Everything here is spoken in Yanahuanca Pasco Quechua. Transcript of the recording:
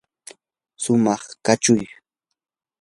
shumaq kachuy.